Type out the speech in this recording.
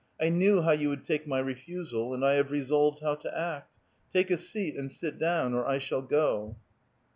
I knew how you would take my refusal, and I have resolved how to act. Take a seat, and sit down, or I shall go."